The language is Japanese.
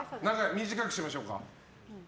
短くしましょうか。